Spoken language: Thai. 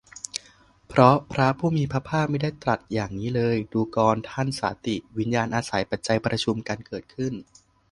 เพราะพระผู้มีพระภาคมิได้ตรัสอย่างนี้เลย ดูกรท่านสาติ วิญญาณอาศัยปัจจัยประชุมกันเกิดขึ้น